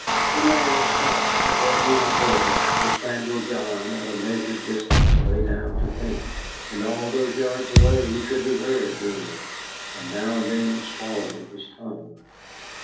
The mare stopped of her own accord, the spaniel John at a measured distance lay down to think, and all those yards away he could be heard doing it, and now and then swallowing his tongue.